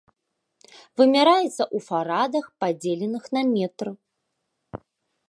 Вымяраецца ў фарадах, падзеленых на метр.